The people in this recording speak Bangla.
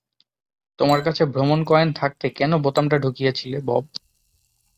তোমার কাছে ভ্রমণ কয়েন থাকতে কেন বোতামটা ঢুকিয়েছিলে, বব?